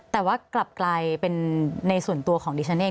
แต่ว่ากลับกลายเป็นในส่วนตัวของดิฉันเอง